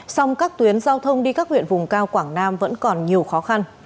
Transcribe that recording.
song các tuyến giao thông đi các huyện vùng cao quảng nam vẫn còn nhiều khó khăn